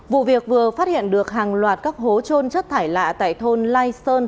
vụ việc vừa phát hiện được hàng loạt các hố trôn chất thải lạ tại thôn lai sơn